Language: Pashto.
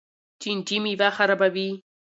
چینجي میوه خرابوي.